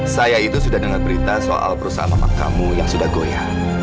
saya itu sudah dengar berita soal perusahaan mamamu yang sudah goya